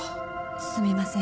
すみません。